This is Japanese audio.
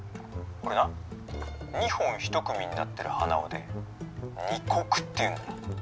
これな２本１組になってる鼻緒で二石っていうんだよ。